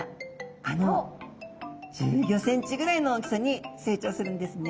あの１５ｃｍぐらいの大きさに成長するんですね。